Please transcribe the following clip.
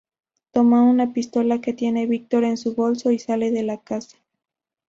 Toma una pistola que tiene Victor en su bolso y sale de la casa.